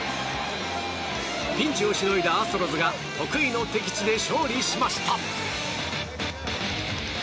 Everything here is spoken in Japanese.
ピンチをしのいだアストロズが得意の敵地で勝利しました。